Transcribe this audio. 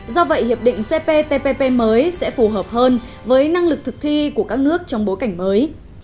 do vậy hiệp định cptpp mới sẽ phù hợp hơn với năng lực thực thi của các nước trong bối cảnh mới